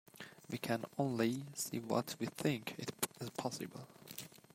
We can only see what we think is possible.